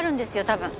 多分。